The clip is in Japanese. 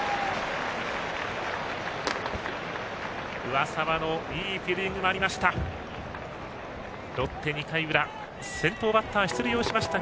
上沢のいいフィールディングがありました。